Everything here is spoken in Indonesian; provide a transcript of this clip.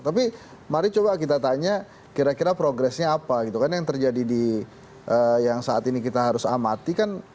tapi mari coba kita tanya kira kira progresnya apa gitu kan yang terjadi di yang saat ini kita harus amati kan